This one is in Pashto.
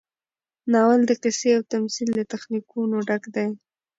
ناول د قصې او تمثیل له تخنیکونو ډک دی.